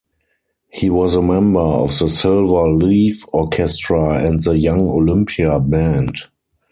He was a member of the Silver Leaf Orchestra and the Young Olympia Band.